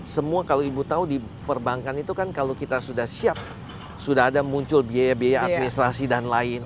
semua kalau ibu tahu di perbankan itu kan kalau kita sudah siap sudah ada muncul biaya biaya administrasi dan lain